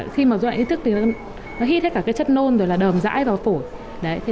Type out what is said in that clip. khi dối loạn ý thức nó hít hết cả chất nôn đờm rãi vào phổi